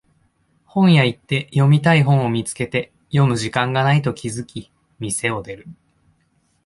本屋行って読みたい本を見つけて読む時間がないと気づき店を出る